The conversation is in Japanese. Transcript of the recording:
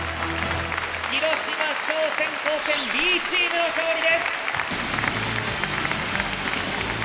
広島商船高専Ｂチームの勝利です。